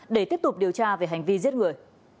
để tiếp tục điều tra về hành vi giết người